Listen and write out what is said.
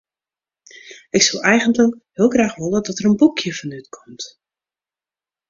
Ik soe eigentlik heel graach wolle dat der in boekje fan útkomt.